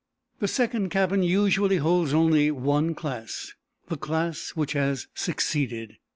The second cabin usually holds only one class; the class which has succeeded.